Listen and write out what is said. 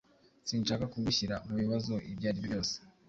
Sinshaka kugushyira mubibazo ibyo aribyo byose.